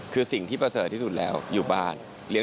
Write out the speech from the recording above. คือสิ่งที่ประเสริฐที่สุดแล้วอยู่บ้าน